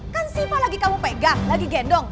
kan siva lagi kamu pegah lagi gendong